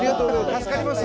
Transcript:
助かります！